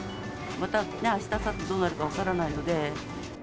またね、あした、あさってどうなるか分からないので。